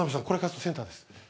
これ勝つとセンターです。